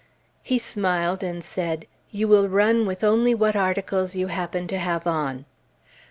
He smiled and said, "You will run with only what articles you happen to have on."